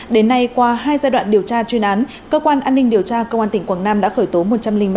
đến nay qua hai giai đoạn điều tra chuyên án cơ quan an ninh điều tra công an tỉnh quảng nam đã khởi tố một trăm linh ba